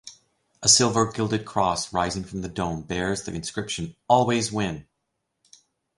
A silver- gilded cross rising from the dome bears the inscription Always win!